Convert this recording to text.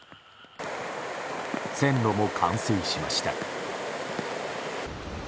線路も冠水しました。